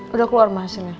sudah keluar mah hasilnya